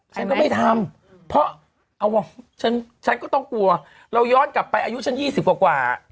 ฉันก็ไม่ทำเพราะเอาว่ะฉันก็ต้องกลัวเราย้อนกลับไปอายุฉัน๒๐กว่า